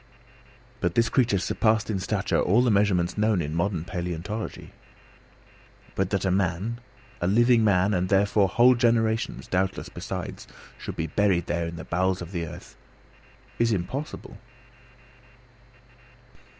But this creature surpassed in stature all the measurements known in modern palæontology. But that a man, a living man, and therefore whole generations doubtless besides, should be buried there in the bowels of the earth, is impossible.